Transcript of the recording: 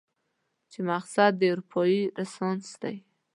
چې مقصد دې اروپايي رنسانس دی؟